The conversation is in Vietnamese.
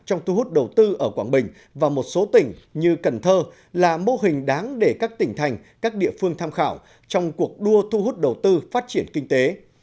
trong thu hút đầu tư ở quảng bình và một số tỉnh như cần thơ là mô hình đáng để các tỉnh thành các địa phương tham khảo trong cuộc đua thu hút đầu tư phát triển kinh tế